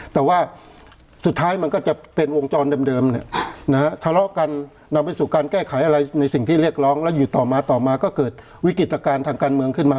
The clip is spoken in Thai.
แต่ว่าสุดท้ายมันก็จะเป็นวงจรเดิมทะเลาะกันนำไปสู่การแก้ไขอะไรในสิ่งที่เรียกร้องแล้วอยู่ต่อมาต่อมาก็เกิดวิกฤตการณ์ทางการเมืองขึ้นมา